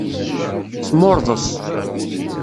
Smurḍes.